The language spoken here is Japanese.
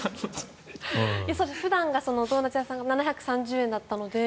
普段、ドーナツ屋さんが７３０円だったので。